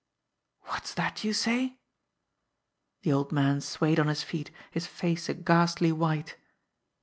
"What's that, you say?" The old man swayed on his feet, his face a ghastly white.